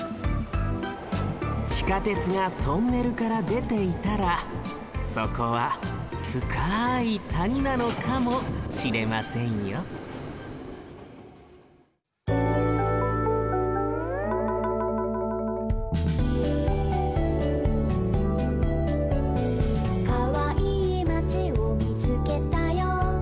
地下鉄がトンネルからでていたらそこはふかいたになのかもしれませんよ「かわいいまちをみつけたよ」